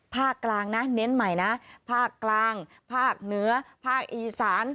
กลางนะเน้นใหม่นะภาคกลางภาคเหนือภาคอีสาน